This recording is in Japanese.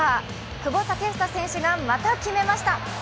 久保建英選手がまた決めました。